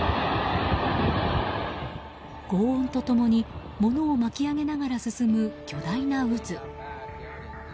轟音と共に、ものを巻き上げながら進む巨大な渦。